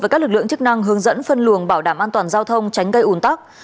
với các lực lượng chức năng hướng dẫn phân luồng bảo đảm an toàn giao thông tránh gây ủn tắc